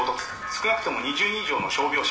少なくとも２０人以上の傷病者。